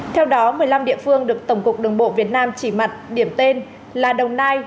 theo đó một mươi năm địa phương được tổng cục đường bộ việt nam chỉ mặt điểm tên là đồng nai